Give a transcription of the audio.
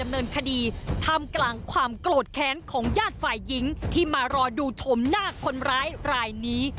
เนินคดีทำกลางความโกรธแค้นของญาติฝ่ายหญิงที่มารอดูชมหน้าคนร้ายรายนี้